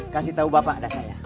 kasih tahu bapak ada saya